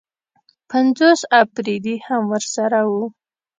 پنځوس اپرېدي هم ورسره وو.